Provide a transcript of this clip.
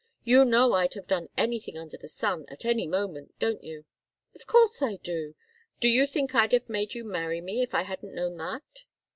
You know I'd have done anything under the sun, at any moment, don't you?" "Of course I do! Do you think I'd have made you marry me if I hadn't known that?"